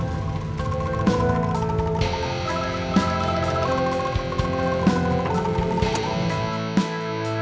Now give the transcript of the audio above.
bapak saya gak tahu